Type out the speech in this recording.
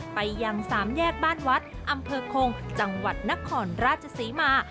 ไปยังสามแยกบ้านวัดอำเภอคงจังหวัดนครราชศรีมา